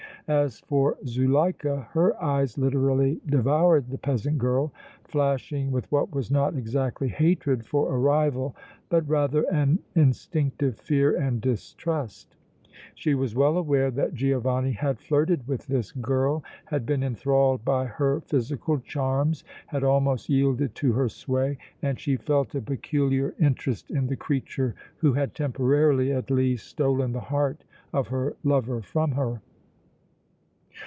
As for Zuleika, her eyes literally devoured the peasant girl, flashing with what was not exactly hatred for a rival but rather an instinctive fear and distrust. She was well aware that Giovanni had flirted with this girl, had been enthralled by her physical charms, had almost yielded to her sway, and she felt a peculiar interest in the creature who had temporarily at least stolen the heart of her lover from her.